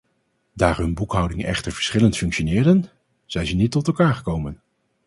Daar hun boekhoudingen echter verschillend functioneerden, zijn ze niet tot elkaar gekomen.